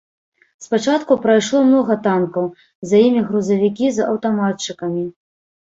Спачатку прайшло многа танкаў, за імі грузавікі з аўтаматчыкамі.